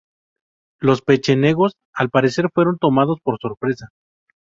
Los pechenegos al parecer fueron tomados por sorpresa.